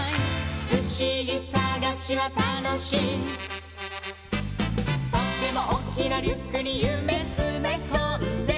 「ふしぎさがしはたのしい」「とってもおっきなリュックにゆめつめこんで」